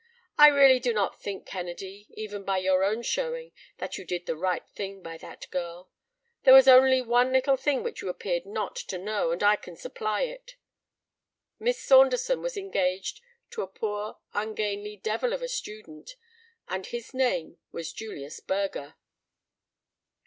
"I really do not think, Kennedy, even by your own showing that you did the right thing by that girl. There was only one little thing which you appeared not to know, and I can supply it. Miss Saunderson was engaged to a poor ungainly devil of a student, and his name was Julius Burger."